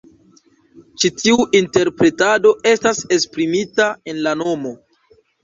Ĉi tiu interpretado estas esprimita en la nomo.